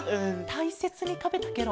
たいせつにたべたケロ？